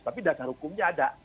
tapi dasar hukumnya ada